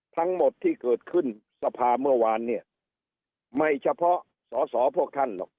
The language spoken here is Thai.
ทั้งหมดที่เกิดขึ้นสภาเมื่อวานเนี่ยไม่เฉพาะสอสอพวกท่านหรอก